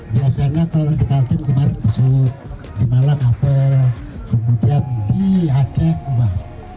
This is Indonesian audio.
biasanya kalau dikalkin kemarin pesut di malang apel kemudian di aceh kembang